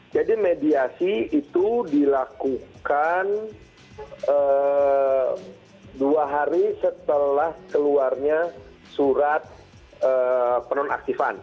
jadi mediasi itu dilakukan dua hari setelah keluarnya surat penonaktifan